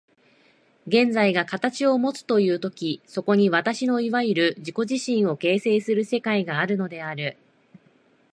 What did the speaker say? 現在が形をもつという時、そこに私のいわゆる自己自身を形成する世界があるのである。